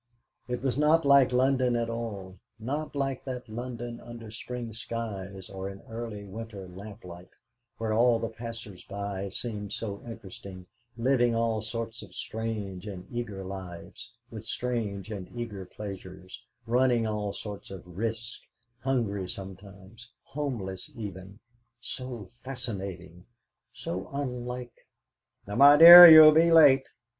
It was not like London at all not like that London under spring skies, or in early winter lamplight, where all the passers by seemed so interesting, living all sorts of strange and eager lives, with strange and eager pleasures, running all sorts of risks, hungry sometimes, homeless even so fascinating, so unlike "Now, my dear, you'll be late!"